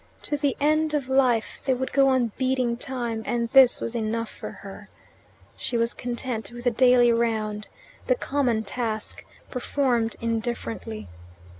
To the end of life they would go on beating time, and this was enough for her. She was content with the daily round, the common task, performed indifferently.